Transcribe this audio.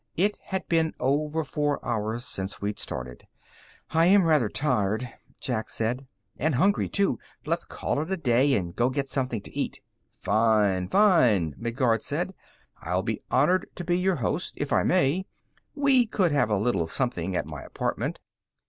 It had been over four hours since we'd started. "I am rather tired," Jack said. "And hungry, too. Let's call it a day and go get something to eat." "Fine! Fine!" Midguard said. "I'll be honored to be your host, if I may. We could have a little something at my apartment."